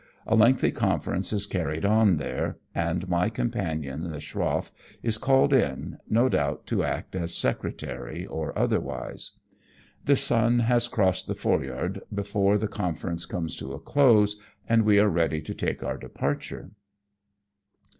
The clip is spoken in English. A lengthy conference is carried on here, and my M 1 62 AMONG TYPHOONS AND PIRATE CRAFT. companion the schroff is called in, no doubt to act as secretary or otherwise. The sun has crossed the fore yard before the confer ence comes to a close, and we are ready to take our departure.